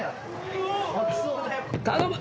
頼む！